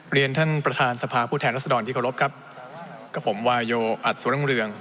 เรียนท่านประธานสภาผู้แทนรัศดรที่เคารพครับกับผมวาโยอัตสุรั่งเรือง